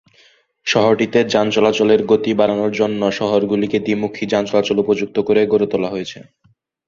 শহরটিতে যান চলাচলের গতি বাড়ানোর জন্য বেশির ভাগ সড়ক গুলিকে দ্বি-মুখী যান চলাচলের উপযুক্ত করে তোলা হয়েছে।